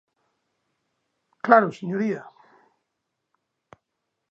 ¡Claro, señoría!